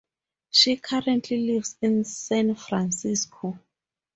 She currently lives in San Francisco.